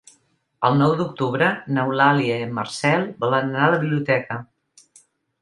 El nou d'octubre n'Eulàlia i en Marcel volen anar a la biblioteca.